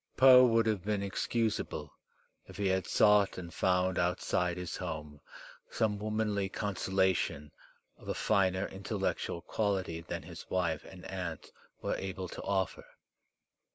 Poe would have been excusable if he had sought and found outside his home some womanly consolation of a finer intellectual quality than his wife and aunt were able to offer.